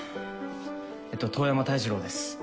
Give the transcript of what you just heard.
えっと遠山泰次郎です。